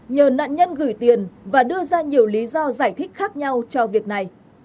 nhờ nạn nhân gửi tiền và đưa ra nhiều lý do giải thích khác nhau cho việc này